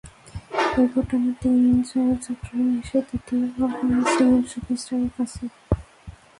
এরপর টানা তিন জয়, চট্টগ্রামে এসে দ্বিতীয় হার সিলেট সুপারস্টারসের কাছে।